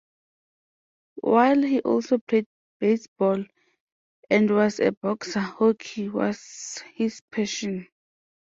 While he also played baseball and was a boxer, hockey was his passion.